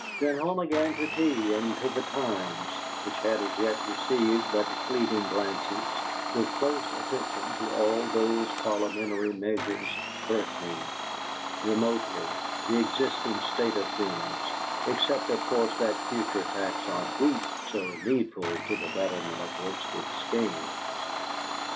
Then home again to tea and to the Times, which had as yet received but fleeting glances, with close attention to all those Parliamentary measures threatening, remotely, the existing state of things, except, of course, that future tax on wheat so needful to the betterment of Worsted Skeynes.